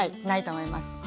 ないと思います。